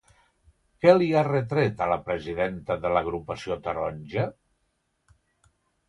Què li ha retret a la presidenta de l'agrupació taronja?